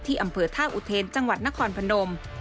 อำเภอท่าอุเทนจังหวัดนครพนม